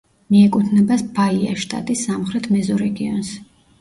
მიეკუთვნება ბაიას შტატის სამხრეთ მეზორეგიონს.